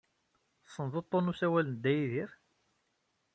Tessned uḍḍun n usawal n Dda Yidir?